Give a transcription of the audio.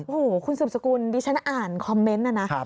โอ้โหคุณสืบสกุลดิฉันอ่านคอมเมนต์นะนะ